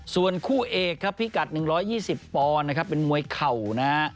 ส่วนคู่เอกครับพิกัดหนึ่งร้อยยี่สิบปอนนะครับเป็นมวยเข่านะ